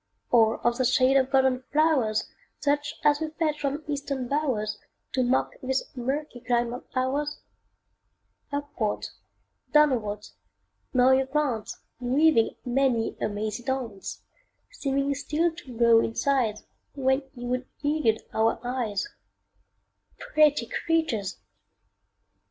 Or of the shade of golden flowers, Such as we fetch from Eastern bowers, To mock this murky clime of ours? Upwards, downwards, now ye glance, Weaving many a mazy dance; Seeming still to grow in size When ye would elude our eyes Pretty creatures!